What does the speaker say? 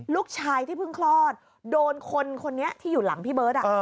ลูกชายที่เพิ่งคลอดโดนคนคนนี้ที่อยู่หลังพี่เบิร์ต